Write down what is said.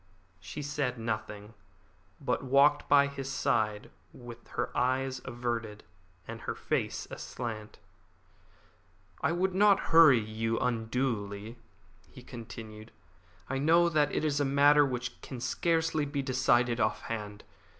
She said nothing, but walked by his side with her eyes averted and her face aslant. "I would not hurry you unduly," he continued. "I know that it is a matter which can scarcely be decided off hand.